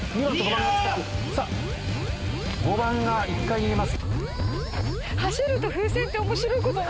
５番が１回逃げます。